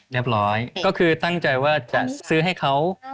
เรียบร้อยก็คือตั้งใจว่าจะซื้อให้เขา